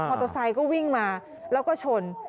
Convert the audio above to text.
มอเตอร์ไซค์ก็วิ่งมาแล้วก็ชน